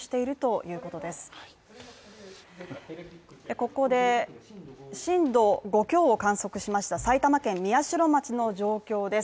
ここで震度５強を観測しました埼玉県宮代町の状況です。